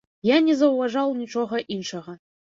Я не заўважаў нічога іншага.